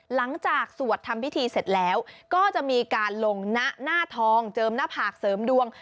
สวดทำพิธีเสร็จแล้วก็จะมีการลงหน้าทองเจิมหน้าผากเสริมดวง